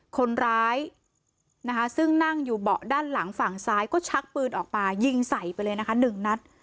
คนร้ายนะคะซึ่งนั่งอยู่เบาะด้านหลังฝั่งซ้ายก็ชักปืนออกมายิงใส่ไปเลยนะคะ๑นัด